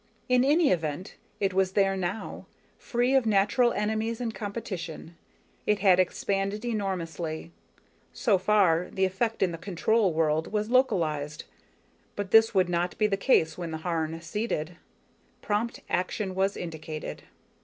_ _In any event, it was there now. Free of natural enemies and competition, it had expanded enormously. So far, the effect in the control world was localized, but this would not be the case when the Harn seeded. Prompt action was indicated.